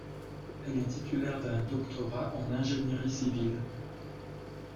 Elle est titulaire d'un doctorat en ingénierie civile.